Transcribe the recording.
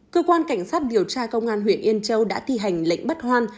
cơ quan cảnh sát điều tra công an huyện yên châu đã thi hành lệnh bắt hoan